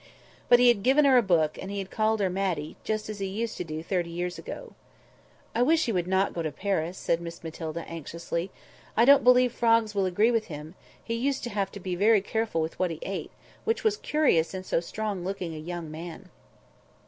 But he had given her a book, and he had called her Matty, just as he used to do thirty years ago. "I wish he would not go to Paris," said Miss Matilda anxiously. "I don't believe frogs will agree with him; he used to have to be very careful what he ate, which was curious in so strong looking a young man."